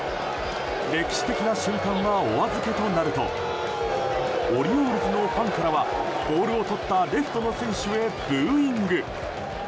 歴史的な瞬間はお預けとなるとオリオールズのファンからはボールをとったレフトの選手へブーイング。